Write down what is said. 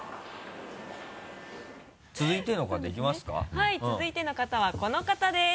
はい続いての方はこの方です。